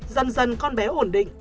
dần dần con bé ổn định